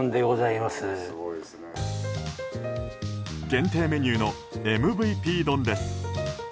限定メニューのＭＶＰ丼です。